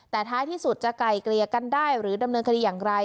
แต่ท้ายที่สุดจะไกลเกลี่ยกันได้หรือดำเนินคดีอย่างไร